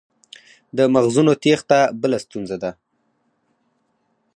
د مغزونو تیښته بله ستونزه ده.